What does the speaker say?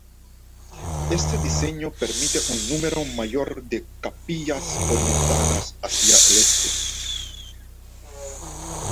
Este diseño permite un número mayor de capillas orientadas hacia el este.